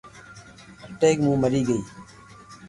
اٽيڪ مئن مري گئي